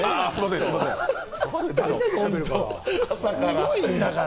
すごいんだから。